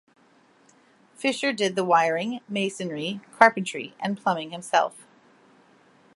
Fisher did the wiring, masonry, carpentry and plumbing himself.